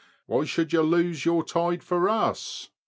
Why should you lose your tide for us?